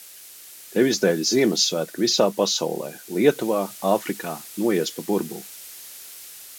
Tevis dēļ Ziemassvētki visā pasaulē, Lietuvā, Āfrikā, noies pa burbuli!